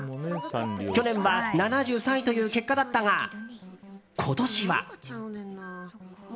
去年は７３位という結果だったが今年は。